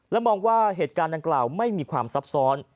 และมองว่าเหตุการณ์ดังกล่าวไม่มีความซับซ้อน